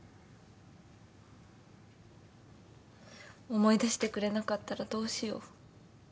思い出してくれなかったらどうしよう。